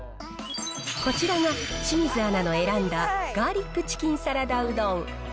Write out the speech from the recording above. こちらが清水アナの選んだガーリックチキンサラダうどん。